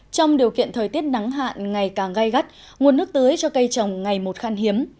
trong điều kiện thời tiết nắng hạn ngày càng gai gắt nguồn nước tưới cho cây trồng ngày một khăn hiếm